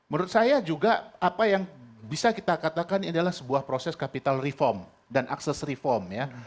menurut saya juga apa yang bisa kita katakan ini adalah sebuah proses capital reform dan akses reform ya